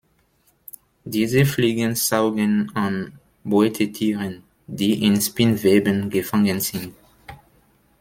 Diese Fliegen saugen an Beutetieren, die in Spinnweben gefangen sind.